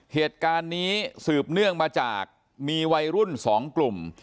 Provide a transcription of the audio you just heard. เหตุการณ์นี้สืบเนื่องมาจากมีวัยรุ่น๒กลุ่ม